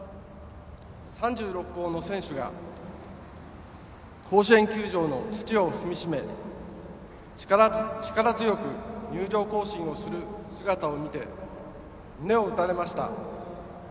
３６校の選手が、甲子園球場の土を踏みしめ力強く入場行進する姿を見て胸を打たれました。